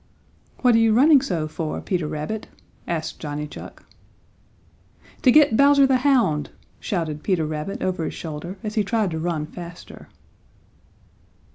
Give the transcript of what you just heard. "What are you running so for, Peter Rabbit?" asked Johnny Chuck. "To get Bowser the Hound," shouted Peter Rabbit over his shoulder, as he tried to run faster.